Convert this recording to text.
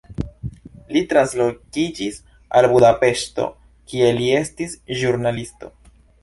Li translokiĝis al Budapeŝto, kie li estis ĵurnalisto.